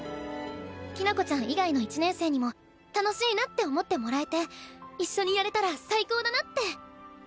きな子ちゃん以外の１年生にも楽しいなって思ってもらえて一緒にやれたら最高だなって。